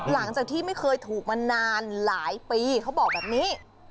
หลังจากที่ไม่เคยถูกมานานหลายปีเขาบอกแบบนี้